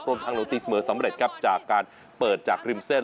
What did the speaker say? ทางหนูตีเสมอสำเร็จครับจากการเปิดจากริมเส้น